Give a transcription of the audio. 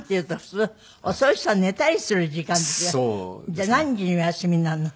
じゃあ何時にお休みになるの？